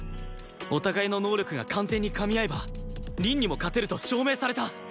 お互いの能力が完全にかみ合えば凛にも勝てると証明された